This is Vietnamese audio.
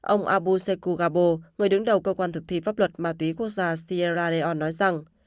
ông abuseku gabo người đứng đầu cơ quan thực thi pháp luật ma túy quốc gia sierra leone nói rằng